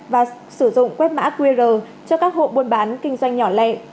và sử dụng quét mã qr cho các hộ buôn bán kinh doanh nhỏ lẻ